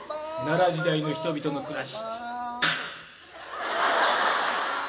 奈良時代の人々の暮らし。